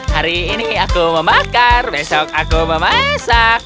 hari ini aku memakar besok aku memasak